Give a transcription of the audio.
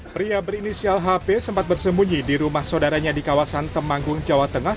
pria berinisial hp sempat bersembunyi di rumah saudaranya di kawasan temanggung jawa tengah